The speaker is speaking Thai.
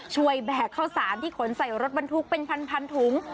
แบกข้าวสารที่ขนใส่รถบรรทุกเป็นพันถุง